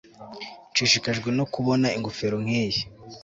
nshishikajwe no kubona ingofero nkiyi